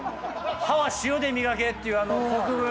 歯は塩で磨けっていうあの国分。